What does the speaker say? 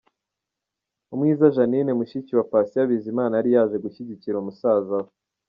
Umwiza Jeannine mushiki wa Patient Bizimana yari yaje gushyikira musaza we.